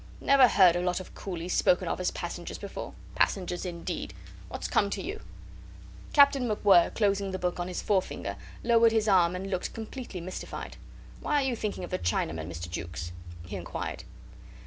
Never heard a lot of coolies spoken of as passengers before. Passengers, indeed! What's come to you?" Captain MacWhirr, closing the book on his forefinger, lowered his arm and looked completely mystified. "Why are you thinking of the Chinamen, Mr. Jukes?" he inquired.